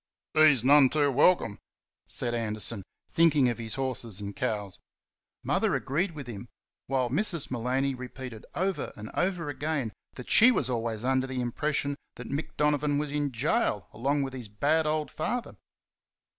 "He's none too welcome," said Anderson, thinking of his horses and cows. Mother agreed with him, while Mrs. Maloney repeated over and over again that she was always under the impression that Mick Donovan was in gaol along with his bad old father.